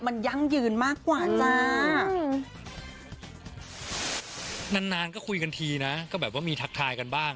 มันยั่งยืนมากกว่าจ้านานนานก็คุยกันทีนะก็แบบว่ามีทักทายกันบ้าง